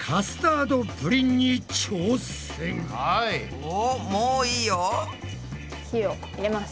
おっもういいよ。